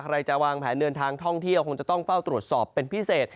ใครจะวางแผนเดินทางท่องเที่ยวคงจะต้องเฝ้าตรวจสอบเป็นพิเศษ